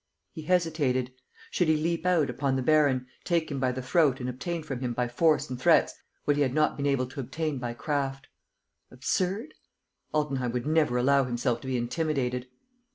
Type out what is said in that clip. He hesitated. Should he leap out upon the baron, take him by the throat and obtain from him by force and threats what he had not been able to obtain by craft? Absurd? Altenheim would never allow himself to be intimidated.